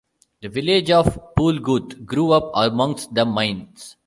The village of Polgooth grew up amongst the mines.